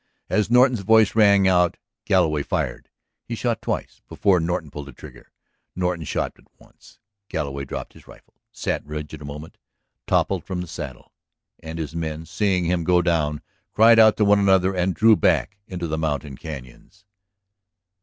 As Norton's voice rang out Galloway fired. He shot twice before Norton pulled the trigger. Norton shot but the once. Galloway dropped his rifle, sat rigid a moment, toppled from the saddle. And his men, seeing him go down, cried out to one another and drew back into the mountain cañons.